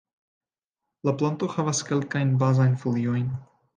La planto havas kelkajn bazajn foliojn.